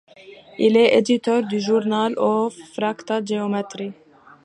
Il est éditeur du Journal of Fractal Geometry.